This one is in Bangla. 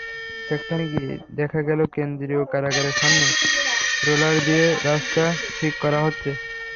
সেখানে গিয়ে দেখা গেল, কেন্দ্রীয় কারাগারের সামনে রোলার দিয়ে রাস্তা ঠিক করা হচ্ছে।